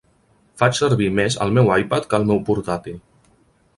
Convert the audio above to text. Faig servir més el meu iPad que el meu portàtil